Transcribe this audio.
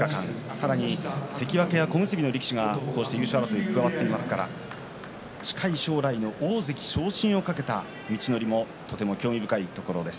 さらに関脇小結の力士がこうして優勝争いに加わっていますから近い将来の大関昇進を懸けた道のりもとても興味深いところです。